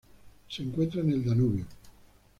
Se encuentra en el Danubio.